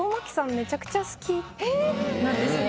めちゃくちゃ好きなんですね。